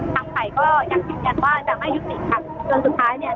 ทางฝ่ายก็ยังสินใจว่าจะไม่ยุคสินค่ะส่วนสุดท้ายเนี้ย